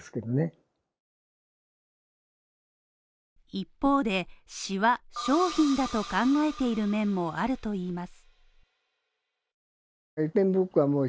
一方で、詩は商品だと考えている面もあるといいます。